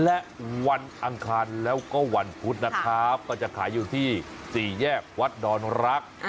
และวันอังคารแล้วก็วันพุธนะครับก็จะขายอยู่ที่๔แยกวัดดอนรัก